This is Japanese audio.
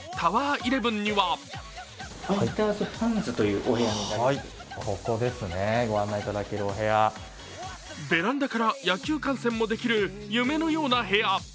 １１にはベランダから野球観戦もできる夢のような部屋。